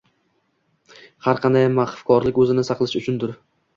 har qanday mahvkorlik o‘zini saqlash uchundir.